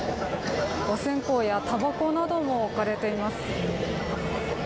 お線香や、たばこなども置かれています。